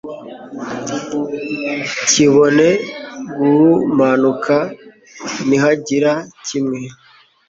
kibone guhumanuka nihagira kimwe